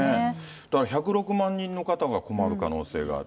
だから１０６万人の方が困る可能性がある。